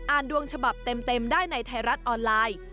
ดวงฉบับเต็มได้ในไทยรัฐออนไลน์